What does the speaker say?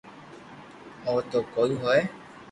ايم تو ڪوئي ھوئي